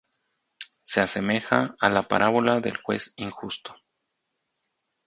Se asemeja a la parábola del juez injusto.